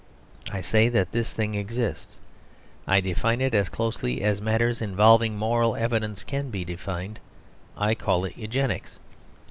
I say that this thing exists. I define it as closely as matters involving moral evidence can be defined; I call it Eugenics.